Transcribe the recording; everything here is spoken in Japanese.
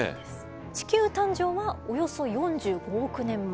地球誕生はおよそ４５億年前。